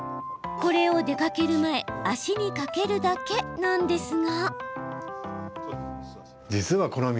これを出かける前足にかけるだけなんですが。